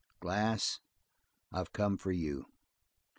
"Glass, I've come for you."